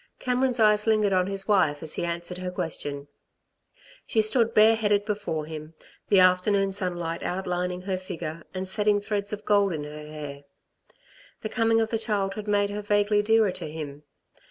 Cameron's eyes lingered on his wife as he answered her question. She stood bareheaded before him, the afternoon sunlight outlining her figure and setting threads of gold in her hair. The coming of the child had made her vaguely dearer to him.